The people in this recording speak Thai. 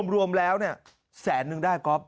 รวมแล้วเนี้ยแสนนึงได้กรอบ